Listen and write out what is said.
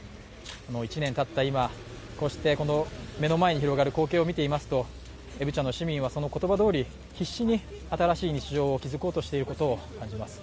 １年たった今、こうして目の前に広がる光景を見ていますとブチャの市民はその言葉どおり、必死に新しい日常を築こうとしています。